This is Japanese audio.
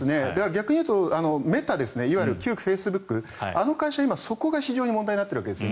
逆に言うとメタ旧フェイスブックはあの会社、そこが非常に今問題になっているんです。